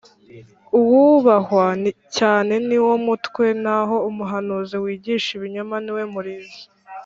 uwubahwa cyane ni wo mutwe naho umuhanuzi wigisha ibinyoma ni we murizo